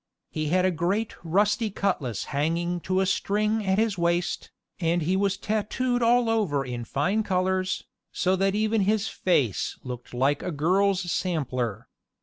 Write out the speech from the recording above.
He had a great rusty cutlass hanging to a string at his waist, and he was tattooed all over in fine colors, so that even his face looked like a girl's sampler.